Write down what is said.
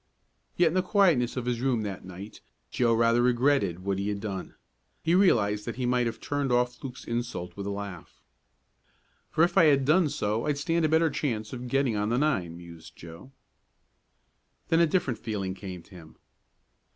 Yet in the quietness of his room that night Joe rather regretted what he had done. He realized that he might have turned off Luke's insult with a laugh. "For if I had done so I'd stand a better chance of getting on the nine," mused Joe. Then a different feeling came to him.